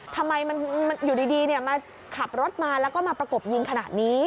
ทำไมมันอยู่ดีมาขับรถมาแล้วก็มาประกบยิงขนาดนี้